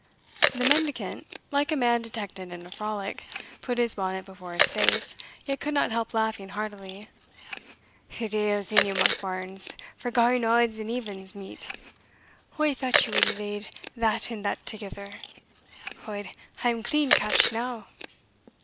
The mendicant, like a man detected in a frolic, put his bonnet before his face, yet could not help laughing heartily. "The deil's in you, Monkbarns, for garring odds and evens meet. Wha thought ye wad hae laid that and that thegither? Od, I am clean catch'd now."